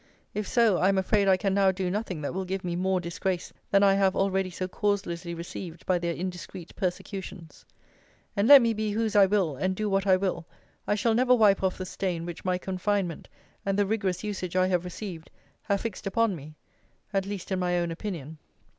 If so, I am afraid I can now do nothing that will give me more disgrace than I have already so causelessly received by their indiscreet persecutions: and let me be whose I will, and do what I will, I shall never wipe off the stain which my confinement, and the rigorous usage I have received, have fixed upon me; at least in my own opinion.